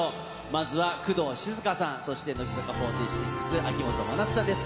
まずは工藤静香さん、そして乃木坂４６・秋元真夏さんです。